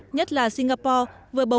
nhất là singapore vừa bầu tư